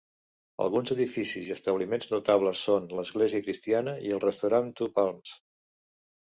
Alguns edificis i establiments notables són l'església cristiana i el restaurant Two Palms.